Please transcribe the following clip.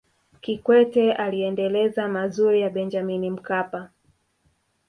kikwete aliendeleza mazuri ya benjamini mkapa